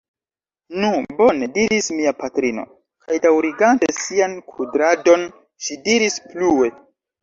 Nu, bone, diris mia patrino, kaj daŭrigante sian kudradon, ŝi diris plue: